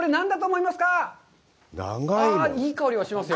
いい香りがしますよ。